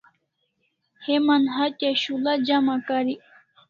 Heman hatya shul'a jama karik